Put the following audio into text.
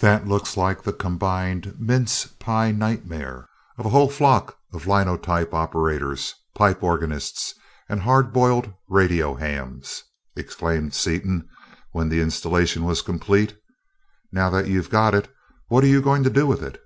That looks like the combined mince pie nightmares of a whole flock of linotype operators, pipe organists, and hard boiled radio hams!" exclaimed Seaton when the installation was complete. "Now that you've got it, what are you going to do with it?"